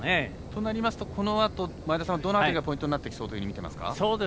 となりますと、このあと前田さん、どのあたりがポイントになってきそうと見ていますか？